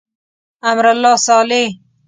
امرالله صالح.